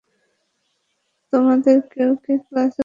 তোমাদের কেউ কি ক্লাসে কুকুর নিয়ে খেলেছে?